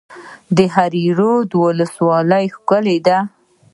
د دهراوود ولسوالۍ ښکلې ده